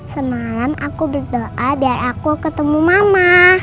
senang aku berdoa biar aku ketemu mama